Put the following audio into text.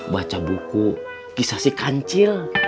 baca buku bisa si kancil